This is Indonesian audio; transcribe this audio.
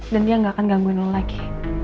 dan dia gak akan gangguin lo lagi